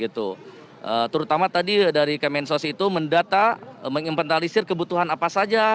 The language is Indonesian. terutama tadi dari kemensos itu mendata mengimpentarisir kebutuhan apa saja